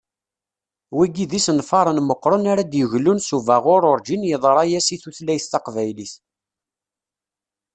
Wigi d isenfaren meqqṛen ara d-yeglun s ubaɣur urǧin yeḍra-as i tutlayt taqbaylit.